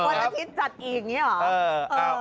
วันอาทิตย์จัดอีกนี่หรอ